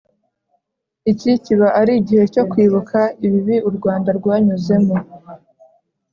Icyi kiba ari igihe cyo kwibuka ibibi u Rwanda rwanyuzemo